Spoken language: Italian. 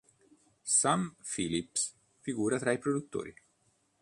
Sam Phillips figura tra i produttori.